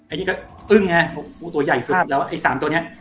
อันนี้ก็อึ้งไงงูตัวใหญ่สุดแล้วไอ้สามตัวเนี้ย